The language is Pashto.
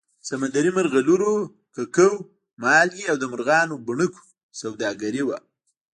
سمندري مرغلرو، ککو، مالګې او د مرغانو بڼکو سوداګري وه